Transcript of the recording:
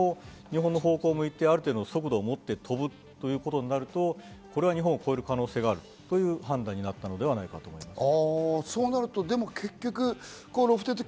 しかも日本の方向を向いて、ある程度速度を持って飛ぶということになると、これは日本を越える可能性があるという判断になったのではないかと思います。